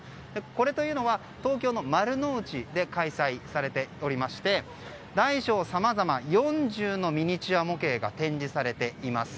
これというのは東京の丸の内で開催されておりまして大小さまざま４０のミニチュア模型が展示されています。